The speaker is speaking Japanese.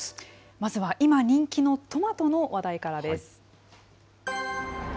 まずは今、人気のトマトの話題からです。